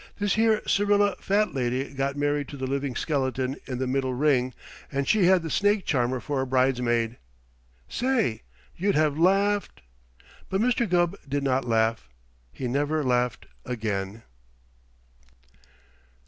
This here Syrilla Fat Lady got married to the Living Skeleton in the middle ring, and she had the Snake Charmer for a bridesmaid. Say! you'd have laughed " But Mr. Gubb did not laugh. He never laughed again.